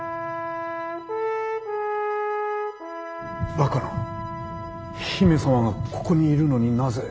バカな姫様がここにいるのになぜ。